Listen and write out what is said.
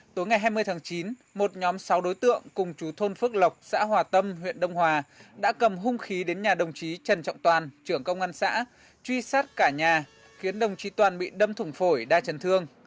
tối ngày hai mươi tháng chín một nhóm sáu đối tượng cùng chú thôn phước lộc xã hòa tâm huyện đông hòa đã cầm hung khí đến nhà đồng chí trần trọng toàn trưởng công an xã truy sát cả nhà khiến đồng chí toàn bị đâm thủng phổi đa chấn thương